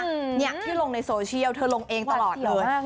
เนี่ยที่ลงในโซเชียลเธอลงเองตลอดเลย